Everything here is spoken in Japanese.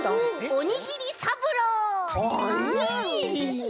おにぎりね！